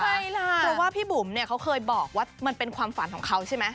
ใช่ล่ะเพราะว่าพี่บุ๋มเนี่ยเขาเคยบอกว่ามันเป็นความฝันของเขาใช่ไหม